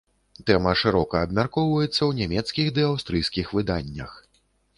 Тэма шырока абмяркоўваецца ў нямецкіх ды аўстрыйскіх выданнях.